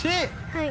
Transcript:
はい。